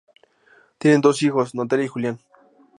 Tienen dos hijos, Natalia y Julián.